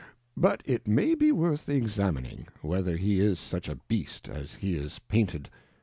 But it may be worth the examining, whether he is such a Beast as he is Painted.